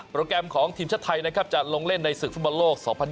แกรมของทีมชาติไทยนะครับจะลงเล่นในศึกฟุตบอลโลก๒๐๑๖